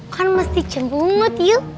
kan mesti jemput yuk